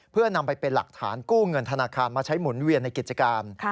เพื่อนำไปเป็นหลักฐานกู้เงินธนาคารมาใช้หมุนเวียนในกิจการ